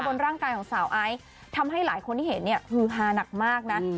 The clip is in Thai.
บนร่างกายของสาวไอซ์ทำให้หลายคนที่เห็นเนี่ยฮือฮาหนักมากนะ